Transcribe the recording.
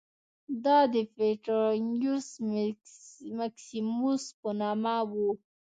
دا د پټرانیوس مکسیموس په نامه و